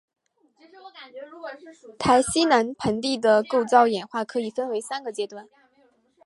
台西南盆地的构造演化可以分为三个阶段。